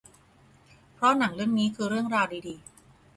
เพราะหนังเรื่องนี้คือเรื่องราวดี